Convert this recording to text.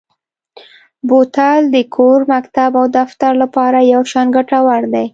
بوتل د کور، مکتب او دفتر لپاره یو شان ګټور دی.